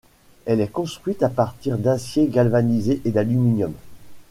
Elle est construite à partir d'acier galvanisé et d'aluminium.